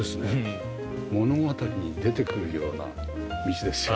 物語に出てくるような道ですよね。